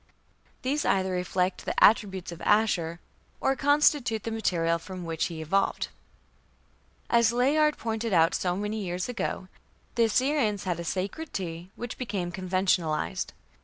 These either reflect the attributes of Ashur, or constitute the material from which he evolved. As Layard pointed out many years ago, the Assyrians had a sacred tree which became conventionalized.